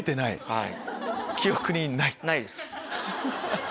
はい。